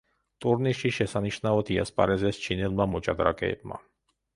ტურნირში შესანიშნავად იასპარეზეს ჩინელმა მოჭადრაკეებმა.